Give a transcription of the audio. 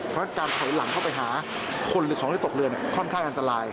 เพราะฉะนั้นการถอยหลังเข้าไปหาคนหรือของที่ตกเรือค่อนข้างอันตราย